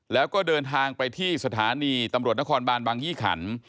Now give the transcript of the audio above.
แล้วก็เดินทางไปที่สถานีตำรวจนครบานบางยี่ขัน